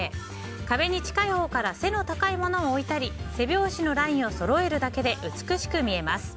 壁に近いほうから背の高いものを置いたり背表紙のラインをそろえるだけで美しく見えます。